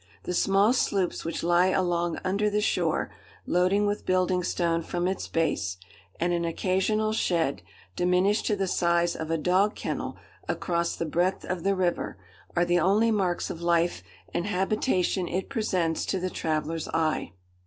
The small sloops which lie along under the shore, loading with building stone from its base, and an occasional shed, diminished to the size of a dog kennel, across the breadth of the river, are the only marks of life and habitation it presents to the traveller's eye.